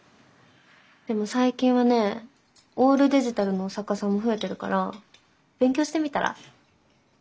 でも最近はねオールデジタルの作家さんも増えてるから勉強してみたら？